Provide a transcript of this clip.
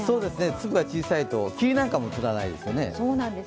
粒が小さいと、霧なんかも映らないですよね。